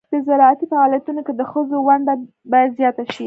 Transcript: د زراعتي فعالیتونو کې د ښځو ونډه باید زیاته شي.